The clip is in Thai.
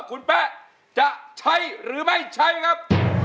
คุณแป๊ะจะใช้หรือไม่ใช้ครับ